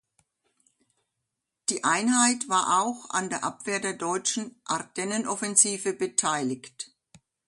Die Einheit war auch an der Abwehr der deutschen Ardennenoffensive beteiligt.